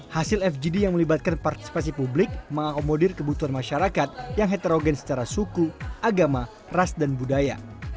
hasil fgd yang melibatkan partisipasi publik mengakomodir kebutuhan masyarakat yang heterogen secara suku agama ras dan budaya